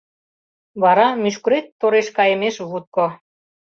Вара мӱшкырет тореш кайымеш вутко...